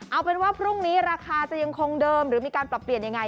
เอาเป็นว่าพรุ่งนี้ราคาจะยังคงเดิมหรือมีการปรับเปลี่ยนยังไง